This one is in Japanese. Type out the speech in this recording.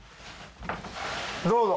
どうぞ。